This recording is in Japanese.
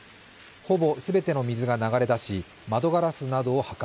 ほぼ全ての水が流れ出し窓ガラスなどを破壊。